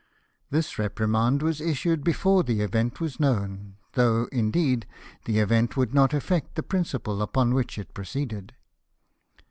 This reprimand was issued before the event was known, though, indeed, the event would not affect the principle upon which it proceeded.